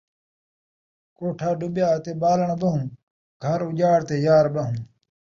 کوٹھا ݙہا تے ٻالݨ ٻہوں ، گھر اُڄاڑ تے یار ٻہوں